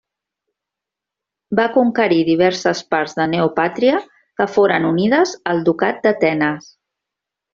Va conquerir diverses parts de Neopàtria que foren unides al ducat d'Atenes.